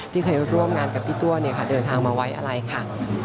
ที่เคยร่วมงานกับพี่ตัวเดินทางมาไว้อะไรค่ะ